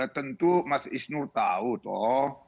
tentu mas ishnur tahu tuh